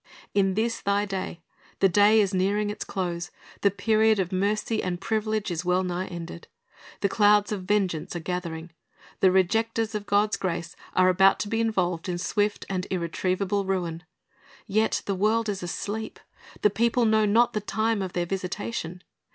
"' "In this thy day." The day is nearing its close. The period of mercy and privilege is well nigh ended. The clouds of vengeance are gathering. The rejecters of God's grace are about to be involved in swift and irretrievable ruin. Yet the world is asleep. The people know not the time of their visitation.